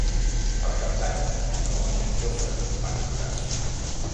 Per Cap d'Any na Noa i en Jofre van a Toràs.